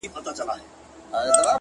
• رباب او سارنګ ژبه نه لري ,